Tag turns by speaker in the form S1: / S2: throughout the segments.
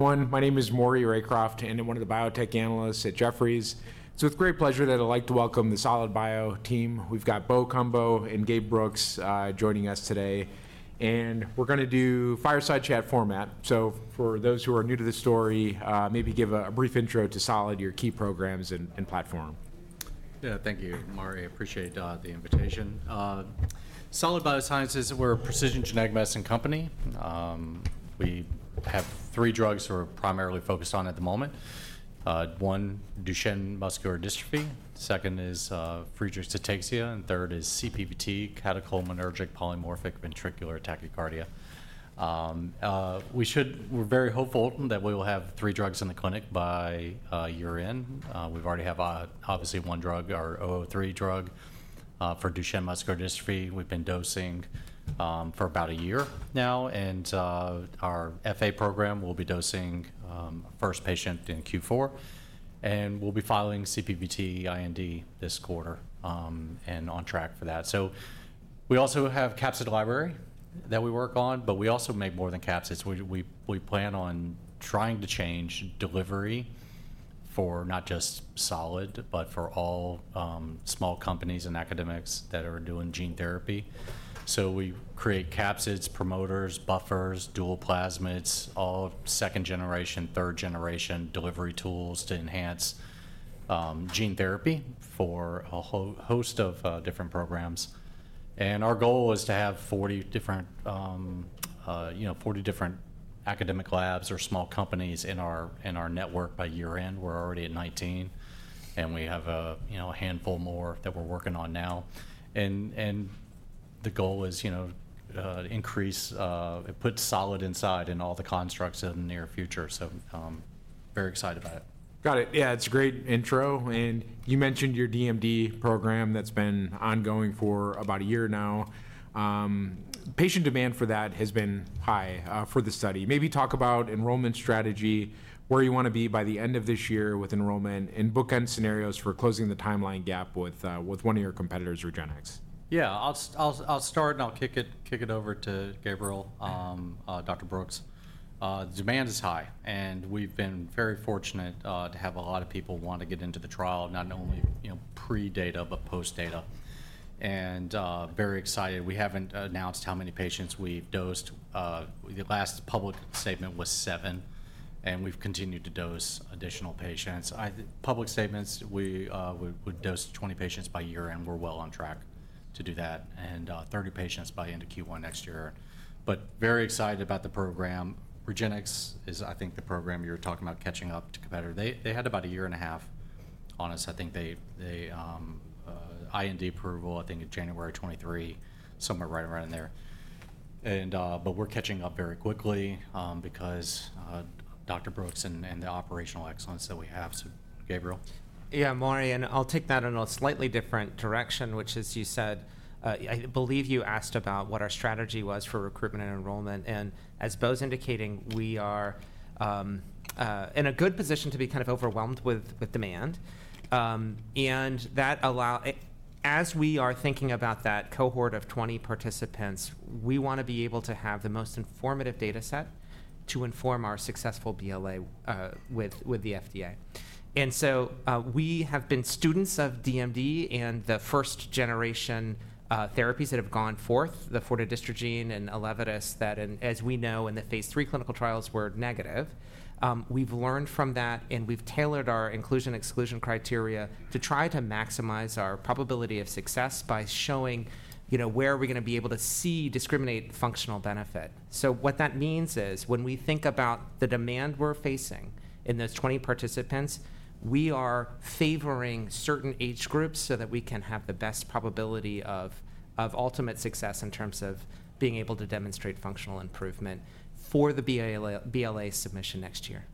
S1: My name is Maury Raycroft, and I'm one of the Biotech Analysts at Jefferies. It's with great pleasure that I'd like to welcome the Solid Bio Team. We've got Bo Cumbo and Gabe Brooks joining us today. We're going to do fireside chat format. For those who are new to the story, maybe give a brief intro to Solid, your key programs and platform.
S2: Thank you, Maury. I appreciate the invitation. Solid Biosciences, we're a precision genetic medicine company. We have three drugs we're primarily focused on at the moment. One, Duchenne muscular dystrophy; second is Friedreich’s ataxia; and third is CPVT, catecholaminergic polymorphic ventricular tachycardia. We're very hopeful that we will have three drugs in the clinic by year-end. We already have, obviously, one drug, our 003 drug for Duchenne muscular dystrophy. We've been dosing for about a year now, and our FA program will be dosing first patient in Q4. We will be filing CPVT IND this quarter and on track for that. We also have capsid library that we work on, but we also make more than capsids. We plan on trying to change delivery for not just Solid, but for all small companies and academics that are doing gene therapy. We create capsids, promoters, buffers, dual plasmids, all second generation, third generation delivery tools to enhance gene therapy for a host of different programs. Our goal is to have 40 different academic labs or small companies in our network by year-end. We're already at 19, and we have a handful more that we're working on now. The goal is to put Solid inside in all the constructs in the near future. Very excited about it.
S1: Got it. Yeah, it's a great intro. You mentioned your DMD program that's been ongoing for about a year now. Patient demand for that has been high for the study. Maybe talk about enrollment strategy, where you want to be by the end of this year with enrollment, and bookend scenarios for closing the timeline gap with one of your competitors, REGENXBIO.
S2: Yeah, I'll start and I'll kick it over to Gabriel, Dr. Brooks. Demand is high, and we've been very fortunate to have a lot of people want to get into the trial, not only pre-data but post-data. And very excited. We haven't announced how many patients we've dosed. The last public statement was seven, and we've continued to dose additional patients. Public statements, we would dose 20 patients by year-end. We're well on track to do that, and 30 patients by end of Q1 next year. Very excited about the program. REGENXBIO is, I think, the program you're talking about catching up to competitors. They had about a year and a half on us. I think the IND approval, I think, in January 2023, somewhere right around there. We're catching up very quickly because Dr. Brooks and the operational excellence that we have. So Gabriel.
S3: Yeah, Maury, and I'll take that in a slightly different direction, which is, you said, I believe you asked about what our strategy was for recruitment and enrollment. As Bo's indicating, we are in a good position to be kind of overwhelmed with demand. As we are thinking about that cohort of 20 participants, we want to be able to have the most informative data set to inform our successful BLA with the FDA. We have been students of DMD and the first generation therapies that have gone forth, the fordadistrogene movaparvovec and Elevidys that, as we know, in the phase III clinical trials were negative. We've learned from that, and we've tailored our inclusion and exclusion criteria to try to maximize our probability of success by showing where are we going to be able to see discriminate functional benefit. What that means is when we think about the demand we're facing in those 20 participants, we are favoring certain age groups so that we can have the best probability of ultimate success in terms of being able to demonstrate functional improvement for the BLA submission next year.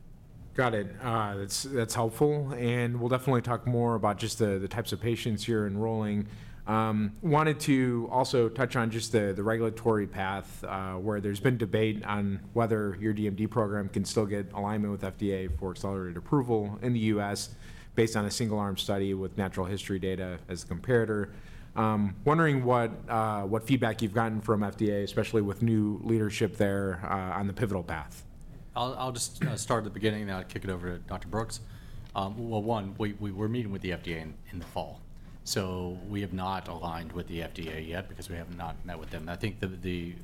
S1: Got it. That's helpful. We'll definitely talk more about just the types of patients you're enrolling. I wanted to also touch on just the regulatory path where there's been debate on whether your DMD program can still get alignment with FDA for accelerated approval in the U.S. based on a single arm study with natural history data as a comparator. I'm wondering what feedback you've gotten from FDA, especially with new leadership there on the pivotal path.
S2: I'll just start at the beginning, and I'll kick it over to Dr. Brooks. One, we were meeting with the FDA in the fall. We have not aligned with the FDA yet because we have not met with them. I think the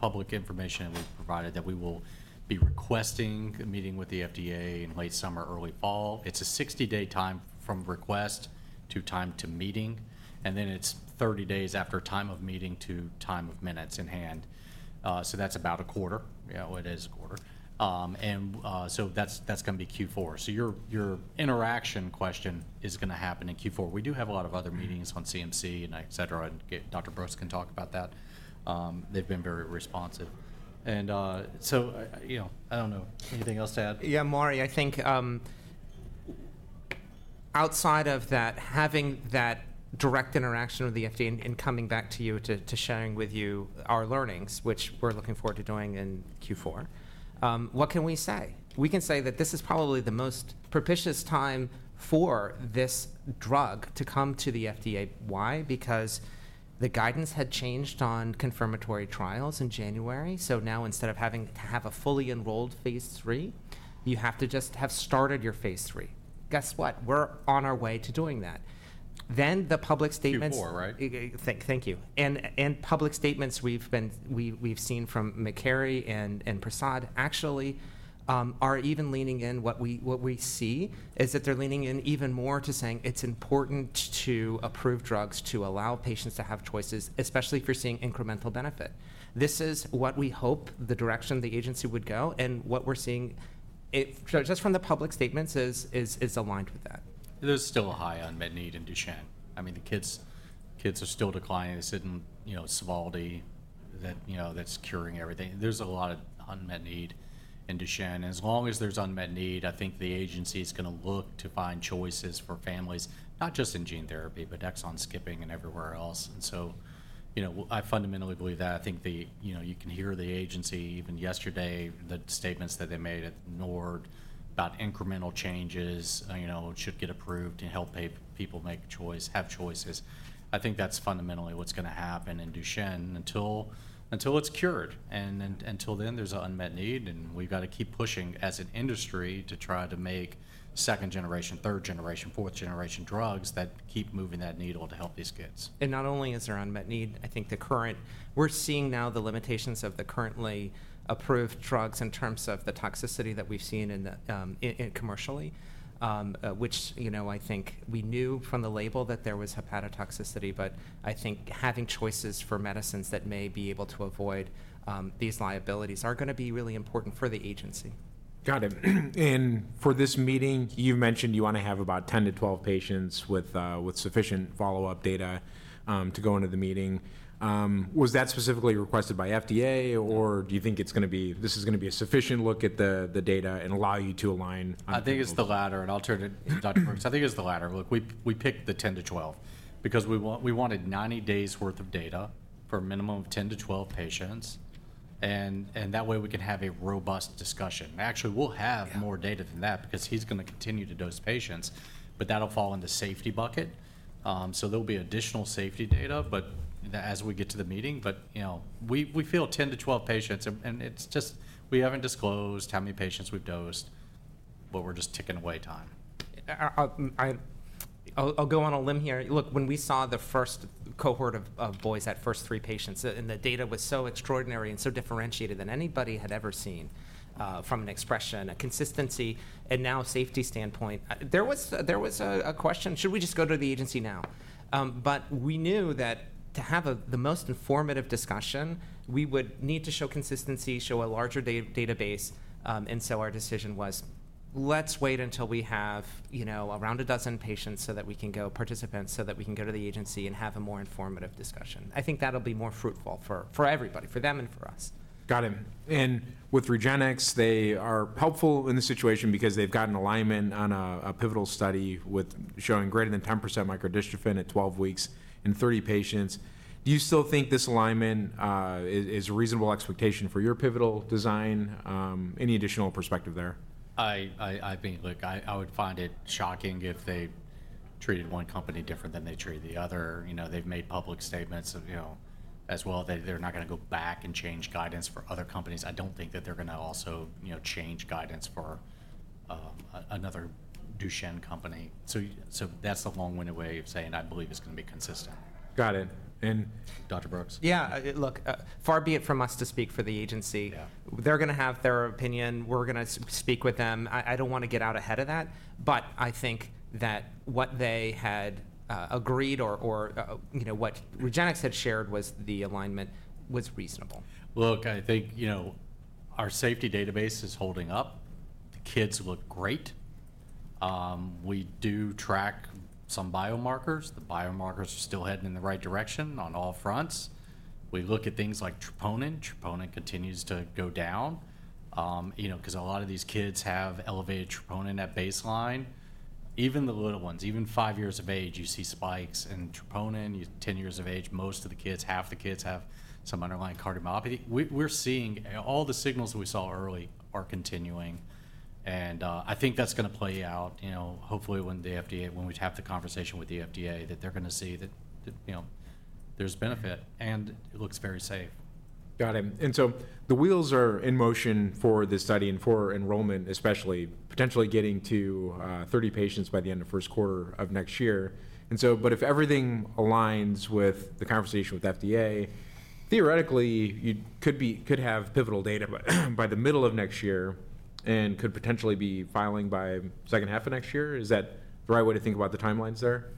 S2: public information we've provided is that we will be requesting a meeting with the FDA in late summer, early fall. It's a 60-day time from request to time to meeting, and then it's 30 days after time of meeting to time of minutes in hand. That's about a quarter. Yeah, it is a quarter. That's going to be Q4. Your interaction question is going to happen in Q4. We do have a lot of other meetings on CMC and et cetera. Dr. Brooks can talk about that. They've been very responsive. I don't know. Anything else to add?
S3: Yeah, Maury, I think outside of that, having that direct interaction with the FDA and coming back to you to sharing with you our learnings, which we're looking forward to doing in Q4, what can we say? We can say that this is probably the most propitious time for this drug to come to the FDA. Why? Because the guidance had changed on confirmatory trials in January. Now instead of having to have a fully enrolled phase III, you have to just have started your phase III. Guess what? We're on our way to doing that. The public statements.
S1: Q4, right?
S3: Thank you. Public statements we've seen from McCary and Prasad actually are even leaning in. What we see is that they're leaning in even more to saying it's important to approve drugs to allow patients to have choices, especially if you're seeing incremental benefit. This is what we hope the direction the agency would go. What we're seeing just from the public statements is aligned with that.
S2: There's still a high unmet need in Duchenne. I mean, the kids are still declining. They sit in Solid that's curing everything. There's a lot of unmet need in Duchenne. As long as there's unmet need, I think the agency is going to look to find choices for families, not just in gene therapy, but exon skipping and everywhere else. I fundamentally believe that. I think you can hear the agency even yesterday, the statements that they made at NORD about incremental changes should get approved to help people have choices. I think that's fundamentally what's going to happen in Duchenne until it's cured. Until then, there's an unmet need, and we've got to keep pushing as an industry to try to make second generation, third generation, fourth generation drugs that keep moving that needle to help these kids.
S3: Not only is there unmet need, I think the current we're seeing now the limitations of the currently approved drugs in terms of the toxicity that we've seen commercially, which I think we knew from the label that there was hepatotoxicity. I think having choices for medicines that may be able to avoid these liabilities are going to be really important for the agency.
S1: Got it. For this meeting, you mentioned you want to have about 10 to 12 patients with sufficient follow-up data to go into the meeting. Was that specifically requested by FDA, or do you think this is going to be a sufficient look at the data and allow you to align?
S2: I think it's the latter. I'll turn it to Dr. Brooks. I think it's the latter. Look, we picked the 10-12 because we wanted 90 days' worth of data for a minimum of 10-12 patients. That way, we can have a robust discussion. Actually, we'll have more data than that because he's going to continue to dose patients, but that'll fall in the safety bucket. There will be additional safety data as we get to the meeting. We feel 10-12 patients, and we haven't disclosed how many patients we've dosed, but we're just ticking away time.
S3: I'll go on a limb here. Look, when we saw the first cohort of boys, that first three patients, and the data was so extraordinary and so differentiated than anybody had ever seen from an expression, a consistency, and now a safety standpoint, there was a question, should we just go to the agency now? We knew that to have the most informative discussion, we would need to show consistency, show a larger database. Our decision was, let's wait until we have around a dozen patients so that we can go, participants, so that we can go to the agency and have a more informative discussion. I think that'll be more fruitful for everybody, for them and for us.
S1: Got it. With REGENXBIO, they are helpful in the situation because they've gotten alignment on a pivotal study showing greater than 10% microdystrophin at 12 weeks in 30 patients. Do you still think this alignment is a reasonable expectation for your pivotal design? Any additional perspective there?
S2: I think, look, I would find it shocking if they treated one company different than they treated the other. They've made public statements as well that they're not going to go back and change guidance for other companies. I don't think that they're going to also change guidance for another Duchenne company. That's the long-winded way of saying I believe it's going to be consistent.
S1: Got it.
S2: Dr. Brooks?
S3: Yeah. Look, far be it from us to speak for the agency. They're going to have their opinion. We're going to speak with them. I don't want to get out ahead of that. I think that what they had agreed or what REGENXBIO had shared was the alignment was reasonable.
S2: Look, I think our safety database is holding up. The kids look great. We do track some biomarkers. The biomarkers are still heading in the right direction on all fronts. We look at things like troponin. Troponin continues to go down because a lot of these kids have elevated troponin at baseline. Even the little ones, even five years of age, you see spikes in troponin. 10 years of age, most of the kids, half the kids have some underlying cardiomyopathy. We are seeing all the signals we saw early are continuing. I think that is going to play out, hopefully, when we have the conversation with the FDA, that they are going to see that there is benefit and it looks very safe.
S1: Got it. The wheels are in motion for this study and for enrollment, especially potentially getting to 30 patients by the end of first quarter of next year. If everything aligns with the conversation with FDA, theoretically, you could have pivotal data by the middle of next year and could potentially be filing by second half of next year. Is that the right way to think about the timelines there?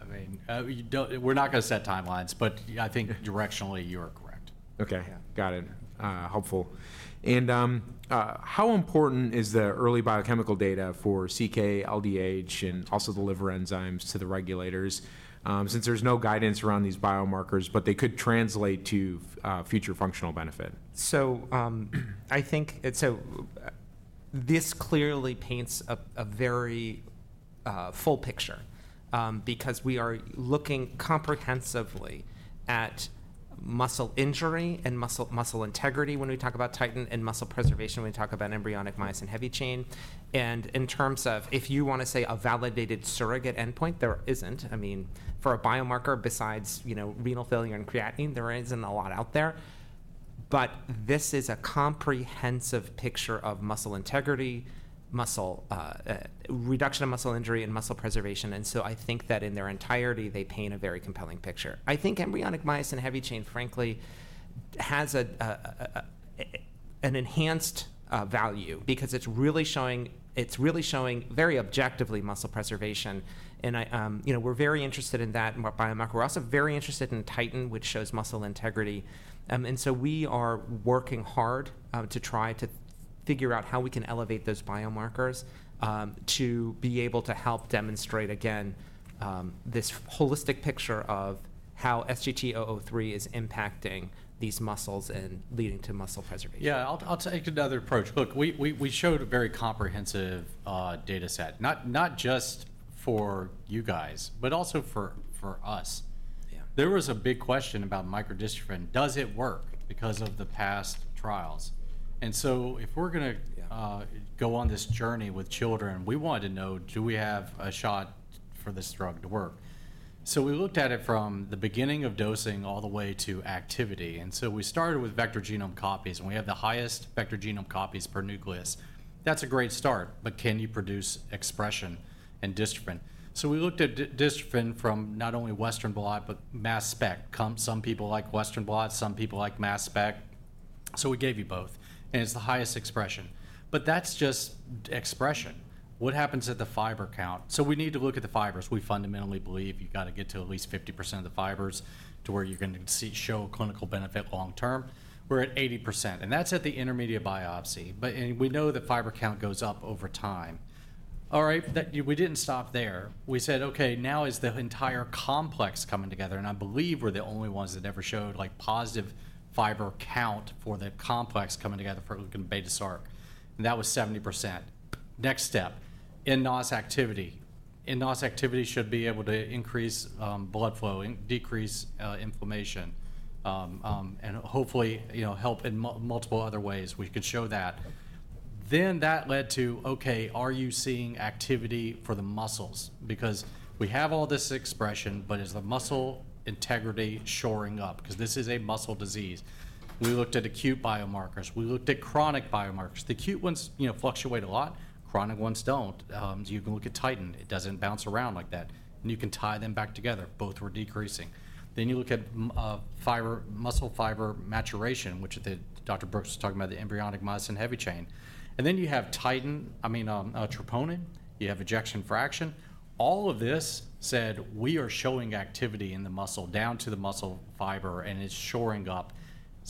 S2: I mean, we're not going to set timelines, but I think directionally you are correct.
S1: Okay. Got it. Helpful. How important is the early biochemical data for CK, LDH, and also the liver enzymes to the regulators since there's no guidance around these biomarkers, but they could translate to future functional benefit?
S3: I think this clearly paints a very full picture because we are looking comprehensively at muscle injury and muscle integrity when we talk about Titin and muscle preservation when we talk about embryonic myosin heavy chain. In terms of if you want to say a validated surrogate endpoint, there isn't. I mean, for a biomarker besides renal failure and creatinine, there isn't a lot out there. This is a comprehensive picture of muscle integrity, reduction of muscle injury, and muscle preservation. I think that in their entirety, they paint a very compelling picture. I think embryonic myosin heavy chain, frankly, has an enhanced value because it's really showing very objectively muscle preservation. We're very interested in that biomarker. We're also very interested in Titin, which shows muscle integrity. We are working hard to try to figure out how we can elevate those biomarkers to be able to help demonstrate, again, this holistic picture of how SGT-003 is impacting these muscles and leading to muscle preservation.
S1: Yeah. I'll take another approach. Look, we showed a very comprehensive data set, not just for you guys, but also for us. There was a big question about microdystrophin. Does it work because of the past trials? If we're going to go on this journey with children, we want to know, do we have a shot for this drug to work? We looked at it from the beginning of dosing all the way to activity. We started with vector genome copies, and we have the highest vector genome copies per nucleus. That's a great start, but can you produce expression and dystrophin? We looked at dystrophin from not only Western blot, but mass spec. Some people like Western blot, some people like mass spec. We gave you both, and it's the highest expression. That's just expression. What happens at the fiber count? We need to look at the fibers. We fundamentally believe you've got to get to at least 50% of the fibers to where you're going to show clinical benefit long term. We're at 80%, and that's at the intermediate biopsy. We know that fiber count goes up over time. All right. We didn't stop there. We said, okay, now is the entire complex coming together. I believe we're the only ones that ever showed positive fiber count for the complex coming together for beta-sarcoglycan. That was 70%. Next step, nNOS activity. nNOS activity should be able to increase blood flow and decrease inflammation and hopefully help in multiple other ways. We could show that. That led to, okay, are you seeing activity for the muscles? Because we have all this expression, but is the muscle integrity shoring up? Because this is a muscle disease. We looked at acute biomarkers. We looked at chronic biomarkers. The acute ones fluctuate a lot. Chronic ones do not. You can look at titin. It does not bounce around like that. You can tie them back together. Both were decreasing. You look at muscle fiber maturation, which Dr. Brooks was talking about, the embryonic myosin heavy chain. Then you have titin, I mean, troponin. You have ejection fraction. All of this said, we are showing activity in the muscle down to the muscle fiber, and it is shoring up.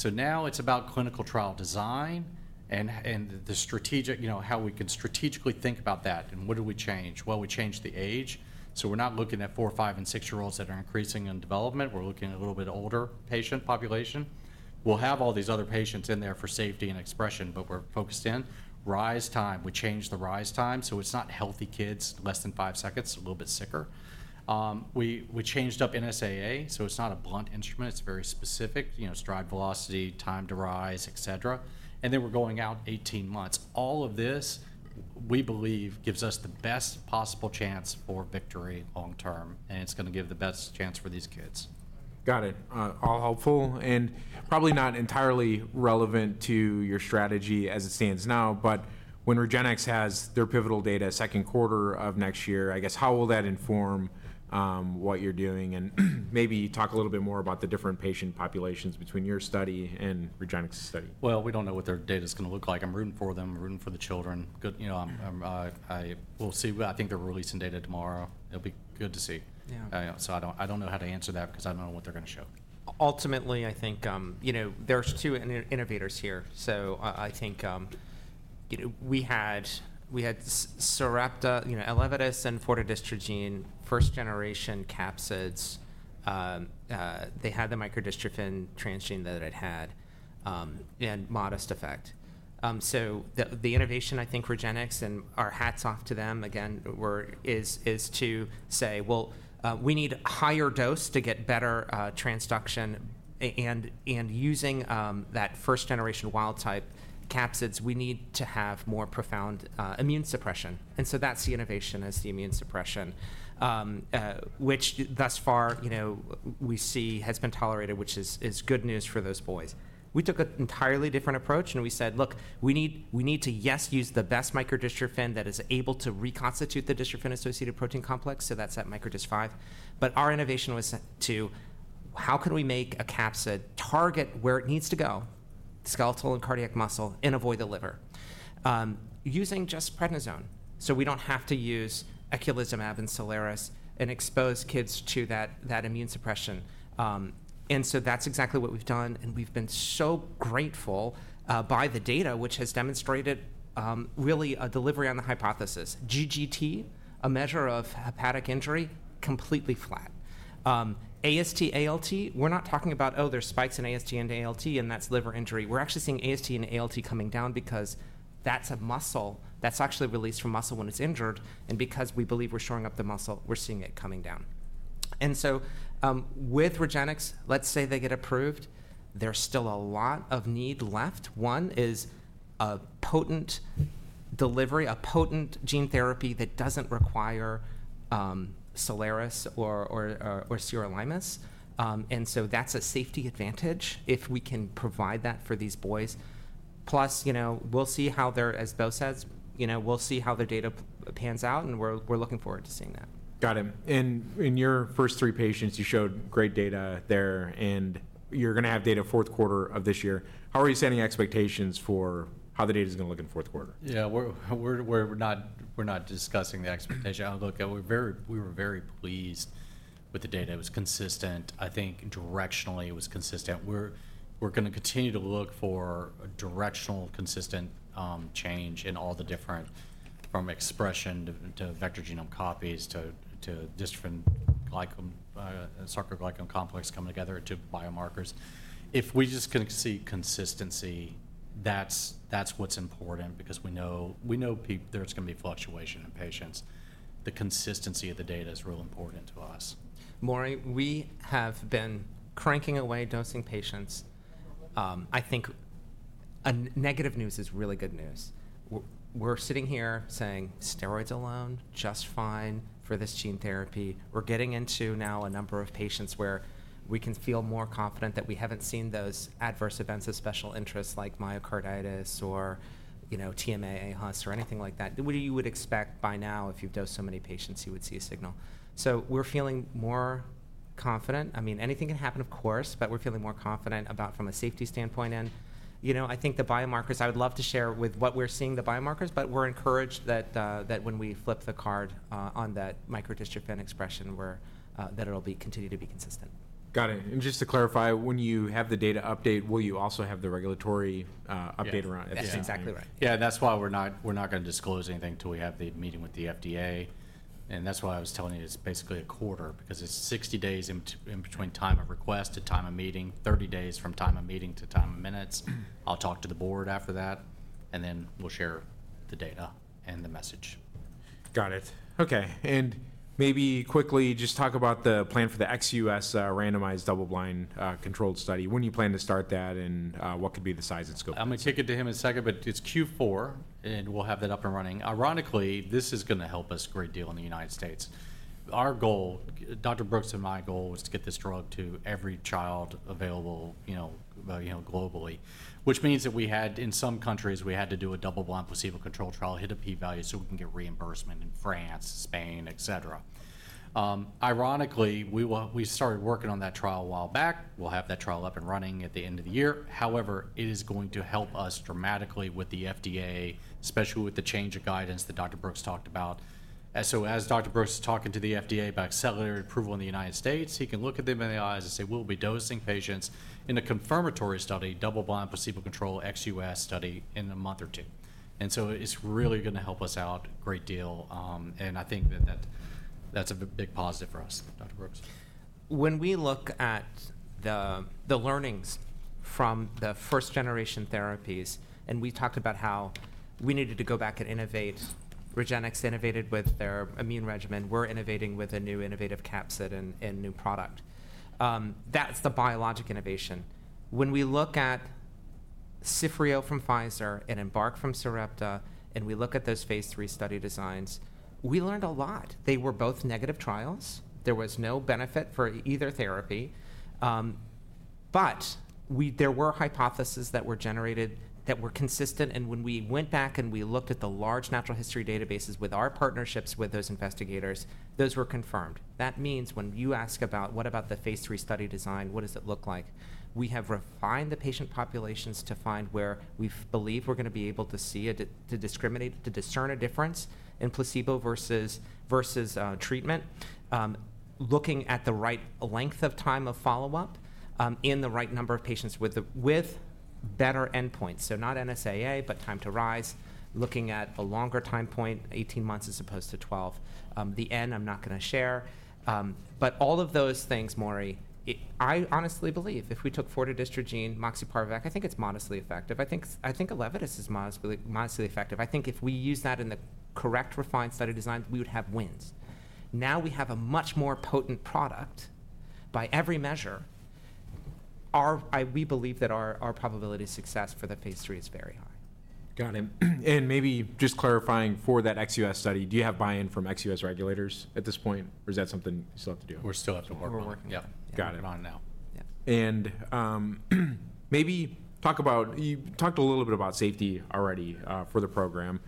S1: Now it is about clinical trial design and how we can strategically think about that. What do we change? We change the age. We are not looking at four, five, and six-year-olds that are increasing in development. We are looking at a little bit older patient population. We'll have all these other patients in there for safety and expression, but we're focused in. Rise time. We changed the rise time. So it's not healthy kids, less than five seconds, a little bit sicker. We changed up NSAA, so it's not a blunt instrument. It's very specific, stride velocity, time to rise, et cetera. We are going out 18 months. All of this, we believe, gives us the best possible chance for victory long term, and it's going to give the best chance for these kids. Got it. All helpful and probably not entirely relevant to your strategy as it stands now. When REGENXBIO has their pivotal data second quarter of next year, I guess how will that inform what you're doing? Maybe talk a little bit more about the different patient populations between your study and REGENXBIO's study.
S2: We do not know what their data is going to look like. I am rooting for them. I am rooting for the children. I will see. I think they are releasing data tomorrow. It will be good to see. I do not know how to answer that because I do not know what they are going to show.
S3: Ultimately, I think there's two innovators here. I think we had Sarepta, Elevidys, and fordadistrogene, first generation capsids. They had the microdystrophin transgene that it had and modest effect. The innovation, I think, REGENXBIO, and our hats off to them, again, is to say, we need a higher dose to get better transduction. Using that first generation wild type capsids, we need to have more profound immune suppression. That's the innovation, is the immune suppression, which thus far we see has been tolerated, which is good news for those boys. We took an entirely different approach, and we said, look, we need to, yes, use the best microdystrophin that is able to reconstitute the dystrophin-associated protein complex. That's at microdist five. Our innovation was to, how can we make a capsid target where it needs to go, skeletal and cardiac muscle, and avoid the liver using just prednisone? We do not have to use Eculizumab and Solaris and expose kids to that immune suppression. That is exactly what we have done. We have been so grateful by the data, which has demonstrated really a delivery on the hypothesis. GGT, a measure of hepatic injury, completely flat. AST, ALT, we are not talking about, oh, there are spikes in AST and ALT, and that is liver injury. We are actually seeing AST and ALT coming down because that is a muscle that is actually released from muscle when it is injured. Because we believe we are showing up the muscle, we are seeing it coming down. With REGENXBIO, let us say they get approved, there is still a lot of need left. One is a potent delivery, a potent gene therapy that does not require Solaris or sirolimus. That is a safety advantage if we can provide that for these boys. Plus, we will see how they are, as Bo says, we will see how the data pans out, and we are looking forward to seeing that.
S1: Got it. In your first three patients, you showed great data there, and you're going to have data fourth quarter of this year. How are you setting expectations for how the data is going to look in fourth quarter?
S2: Yeah. We're not discussing the expectation. Look, we were very pleased with the data. It was consistent. I think directionally, it was consistent. We're going to continue to look for a directional consistent change in all the different from expression to vector genome copies to dystrophin-glycan, sarcoglycan complex coming together to biomarkers. If we just can see consistency, that's what's important because we know there's going to be fluctuation in patients. The consistency of the data is real important to us.
S3: Maury, we have been cranking away dosing patients. I think negative news is really good news. We're sitting here saying steroids alone just fine for this gene therapy. We're getting into now a number of patients where we can feel more confident that we haven't seen those adverse events of special interest like myocarditis or TMA, aHUS, or anything like that. What you would expect by now if you've dosed so many patients, you would see a signal. We're feeling more confident. I mean, anything can happen, of course, but we're feeling more confident from a safety standpoint. I think the biomarkers, I would love to share with what we're seeing, the biomarkers, but we're encouraged that when we flip the card on that microdystrophin expression, that it'll continue to be consistent.
S1: Got it. Just to clarify, when you have the data update, will you also have the regulatory update around it?
S3: Yes, exactly right.
S2: Yeah. That's why we're not going to disclose anything until we have the meeting with the FDA. That's why I was telling you it's basically a quarter because it's 60 days in between time of request to time of meeting, 30 days from time of meeting to time of minutes. I'll talk to the board after that, and then we'll share the data and the message.
S1: Got it. Okay. Maybe quickly just talk about the plan for the XUS randomized double-blind controlled study. When do you plan to start that, and what could be the size and scope?
S2: I'm going to kick it to him in a second, but it's Q4, and we'll have that up and running. Ironically, this is going to help us a great deal in the U.S. Our goal, Dr. Brooks and my goal, was to get this drug to every child available globally, which means that in some countries, we had to do a double-blind placebo-controlled trial, hit a P-value so we can get reimbursement in France, Spain, et cetera. Ironically, we started working on that trial a while back. We'll have that trial up and running at the end of the year. However, it is going to help us dramatically with the FDA, especially with the change of guidance that Dr. Brooks talked about. As Dr. Brooks is talking to the FDA about accelerated approval in the U.S., he can look at them in the eyes and say, "We'll be dosing patients in a confirmatory study, double-blind placebo-controlled XUS study in a month or two." It is really going to help us out a great deal. I think that that's a big positive for us, Dr. Brooks.
S3: When we look at the learnings from the first generation therapies, and we talked about how we needed to go back and innovate, REGENXBIO innovated with their immune regimen. We're innovating with a new innovative capsid and new product. That's the biologic innovation. When we look at fordadistrogene movaparvovec from Pfizer and EMBARK from Sarepta, and we look at those phase III study designs, we learned a lot. They were both negative trials. There was no benefit for either therapy. There were hypotheses that were generated that were consistent. When we went back and we looked at the large natural history databases with our partnerships with those investigators, those were confirmed. That means when you ask about, "What about the phase III study design? What does it look like? We have refined the patient populations to find where we believe we're going to be able to see, to discern a difference in placebo versus treatment, looking at the right length of time of follow-up in the right number of patients with better endpoints. So not NSAA, but time to rise, looking at a longer time point, 18 months as opposed to 12. The end, I'm not going to share. All of those things, Maury, I honestly believe if we took fordadistrogene movaparvovec, I think it's modestly effective. I think Elevidys is modestly effective. I think if we use that in the correct refined study design, we would have wins. Now we have a much more potent product by every measure. We believe that our probability of success for the phase III is very high.
S1: Got it. Maybe just clarifying for that XUS study, do you have buy-in from XUS regulators at this point, or is that something you still have to do?
S2: We still have to work on it.
S3: We're working on it now.
S1: Maybe talk about, you talked a little bit about safety already for the program.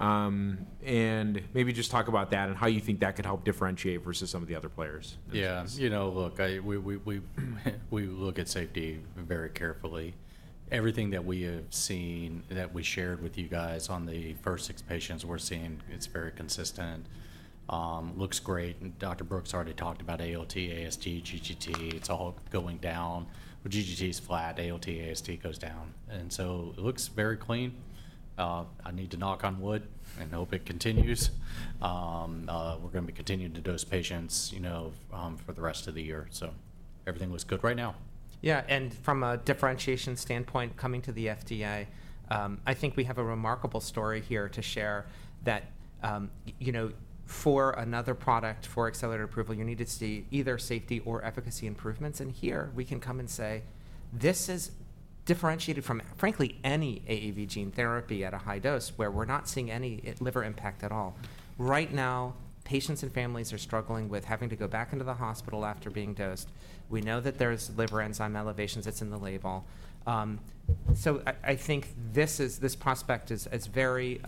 S1: Maybe just talk about that and how you think that could help differentiate versus some of the other players.
S2: Yeah. Look, we look at safety very carefully. Everything that we have seen that we shared with you guys on the first six patients we're seeing, it's very consistent. Looks great. Dr. Brooks already talked about ALT, AST, GGT. It's all going down. GGT is flat. ALT, AST goes down. It looks very clean. I need to knock on wood and hope it continues. We're going to be continuing to dose patients for the rest of the year. Everything looks good right now.
S3: Yeah. From a differentiation standpoint, coming to the FDA, I think we have a remarkable story here to share that for another product for accelerated approval, you need to see either safety or efficacy improvements. Here, we can come and say, "This is differentiated from, frankly, any AAV gene therapy at a high dose where we're not seeing any liver impact at all." Right now, patients and families are struggling with having to go back into the hospital after being dosed. We know that there's liver enzyme elevations. It's in the label. I think this prospect is very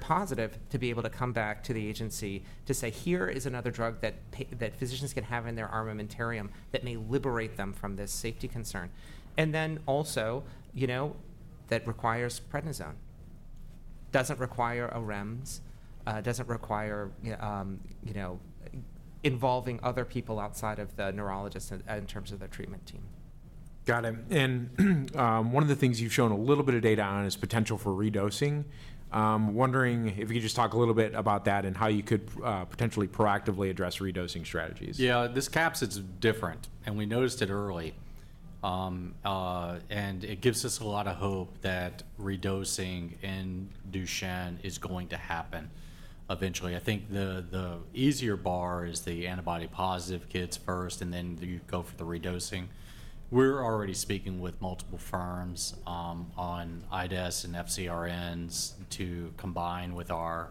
S3: positive to be able to come back to the agency to say, "Here is another drug that physicians can have in their armamentarium that may liberate them from this safety concern." Also, that requires prednisone, does not require a REMS, does not require involving other people outside of the neurologist in terms of the treatment team.
S1: Got it. One of the things you've shown a little bit of data on is potential for redosing. Wondering if you could just talk a little bit about that and how you could potentially proactively address redosing strategies.
S2: Yeah. This capsid's different, and we noticed it early. It gives us a lot of hope that redosing in Duchenne is going to happen eventually. I think the easier bar is the antibody-positive kids first, and then you go for the redosing. We're already speaking with multiple firms on IDES and FCRNs to combine with our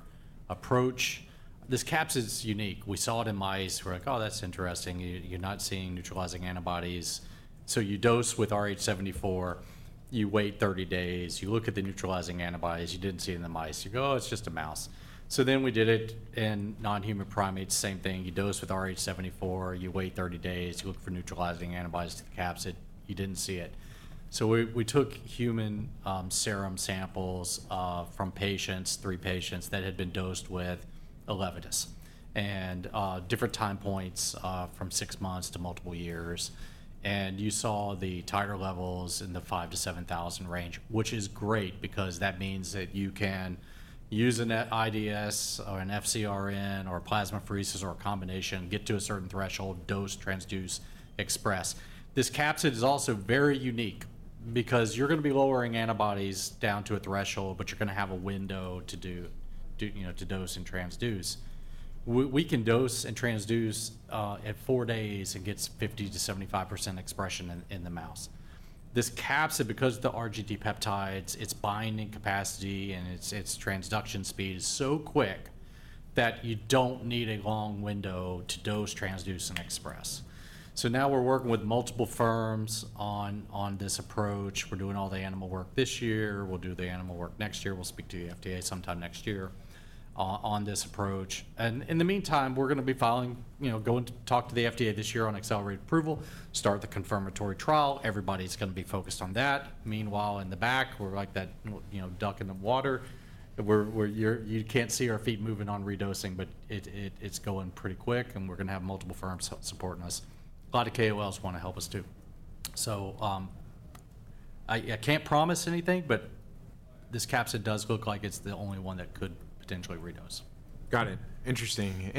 S2: approach. This capsid's unique. We saw it in mice. We're like, "Oh, that's interesting. You're not seeing neutralizing antibodies." You dose with RH74, you wait 30 days, you look at the neutralizing antibodies. You did not see it in the mice. You go, "Oh, it's just a mouse." We did it in non-human primates, same thing. You dose with RH74, you wait 30 days, you look for neutralizing antibodies to the capsid, you did not see it. We took human serum samples from patients, three patients that had been dosed with Elevidys and different time points from six months to multiple years. You saw the titer levels in the 5,000-7,000 range, which is great because that means that you can use an IDS or an FCRN or plasmapheresis or a combination, get to a certain threshold, dose, transduce, express. This capsid is also very unique because you're going to be lowering antibodies down to a threshold, but you're going to have a window to dose and transduce. We can dose and transduce at four days and get 50-75% expression in the mouse. This capsid, because of the RGT peptides, its binding capacity and its transduction speed is so quick that you do not need a long window to dose, transduce, and express. Now we're working with multiple firms on this approach. We're doing all the animal work this year. We'll do the animal work next year. We'll speak to the FDA sometime next year on this approach. In the meantime, we're going to be going to talk to the FDA this year on accelerated approval, start the confirmatory trial. Everybody's going to be focused on that. Meanwhile, in the back, we're like that duck in the water. You can't see our feet moving on redosing, but it's going pretty quick, and we're going to have multiple firms supporting us. A lot of KOLs want to help us too. I can't promise anything, but this capsid does look like it's the only one that could potentially redose.
S1: Got it. Interesting.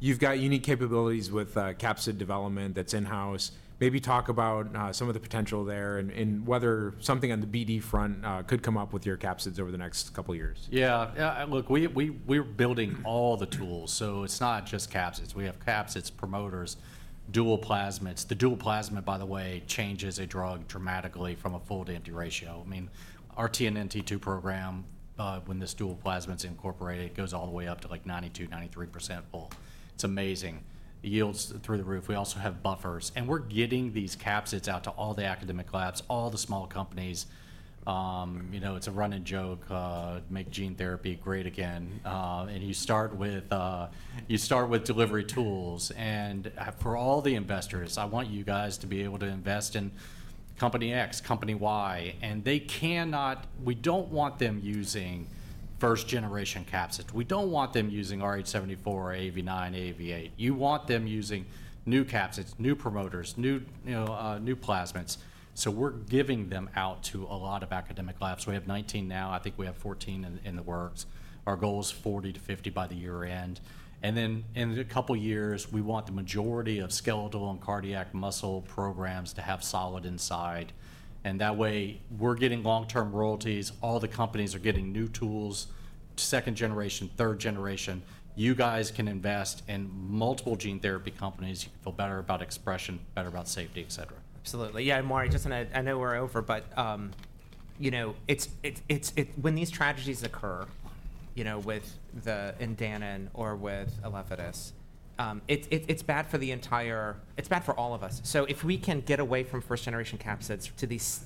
S1: You have got unique capabilities with capsid development that is in-house. Maybe talk about some of the potential there and whether something on the BD front could come up with your capsids over the next couple of years.
S2: Yeah. Look, we're building all the tools. So it's not just capsids. We have capsids, promoters, dual plasmids. The dual plasmid, by the way, changes a drug dramatically from a full to empty ratio. I mean, our TNNT2 program, when this dual plasmid's incorporated, it goes all the way up to like 92-93% full. It's amazing. Yields through the roof. We also have buffers. And we're getting these capsids out to all the academic labs, all the small companies. It's a running joke, make gene therapy great again. And you start with delivery tools. And for all the investors, I want you guys to be able to invest in company X, company Y. And we don't want them using first generation capsids. We don't want them using RH74, AV9, AV8. You want them using new capsids, new promoters, new plasmids. We're giving them out to a lot of academic labs. We have 19 now. I think we have 14 in the works. Our goal is 40-50 by the year end. In a couple of years, we want the majority of skeletal and cardiac muscle programs to have Solid inside. That way, we're getting long-term royalties. All the companies are getting new tools, second generation, third generation. You guys can invest in multiple gene therapy companies. You can feel better about expression, better about safety, et cetera.
S3: Absolutely. Yeah. And Maury, just I know we're over, but when these tragedies occur with the IND or with Elevidys, it's bad for the entire, it's bad for all of us. If we can get away from first generation capsids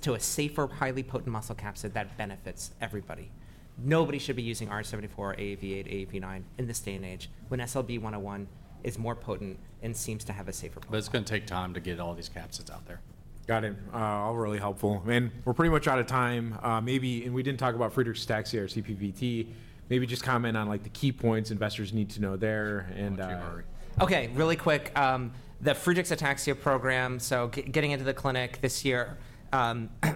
S3: to a safer, highly potent muscle capsid that benefits everybody, nobody should be using RH74, AV8, AV9 in this day and age when SLB101 is more potent and seems to have a safer place.
S2: It is going to take time to get all these capsids out there.
S1: Got it. All really helpful. We're pretty much out of time. We didn't talk about Friedreich’s ataxia or CPVT. Maybe just comment on the key points investors need to know there.
S3: Okay. Really quick, the Friedreich’s ataxia program, so getting into the clinic this year,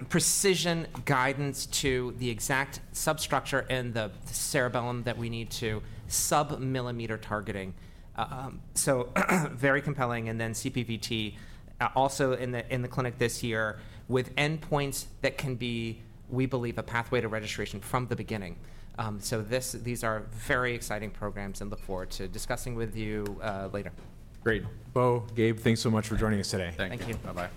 S3: precision guidance to the exact substructure in the cerebellum that we need to sub-millimeter targeting. So very compelling. And then CPVT also in the clinic this year with endpoints that can be, we believe, a pathway to registration from the beginning. So these are very exciting programs and look forward to discussing with you later.
S1: Great. Bo, Gabe, thanks so much for joining us today.
S2: Thank you.
S3: Bye-bye.